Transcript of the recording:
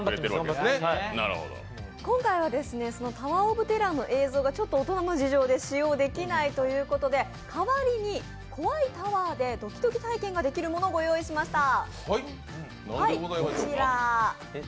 今回はタワー・オブ・テラーの映像が大人の事情で提供できないということで代わりに怖いタワーでドキドキ体験ができるものをご用意しました。